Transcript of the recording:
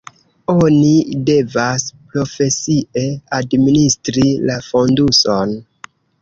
Oni devas profesie administri la fonduson.